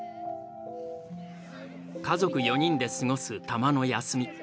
家族４人で過ごすたまの休み。